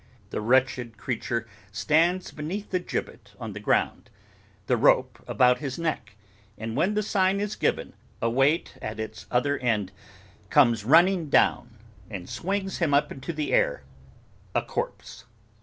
The wretched creature stands beneath the gibbet on the ground; the rope about his neck; and when the sign is given, a weight at its other end comes running down, and swings him up into the air—a corpse.